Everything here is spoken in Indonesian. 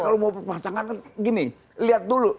kalau mau berpasangan lihat dulu